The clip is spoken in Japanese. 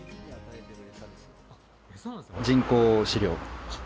人工飼料。